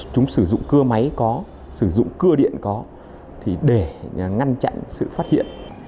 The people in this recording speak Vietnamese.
chúng sử dụng cưa máy có sử dụng cưa điện có để ngăn chặn sự phát hiện